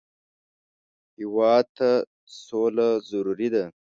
هېواد ته سوله ضروري ده